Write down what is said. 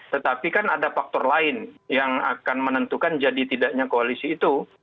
tetapi kan ada faktor lain yang akan menentukan jadi tidaknya koalisi itu